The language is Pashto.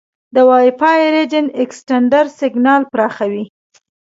د وای فای رینج اکسټینډر سیګنال پراخوي.